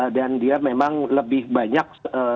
dan dia memang lebih banyak